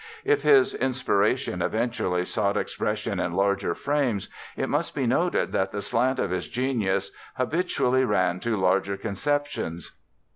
If his inspiration eventually sought expression in larger frames it must be noted that the slant of his genius habitually ran to larger conceptions.